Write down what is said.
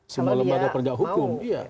semua lembaga perjahat hukum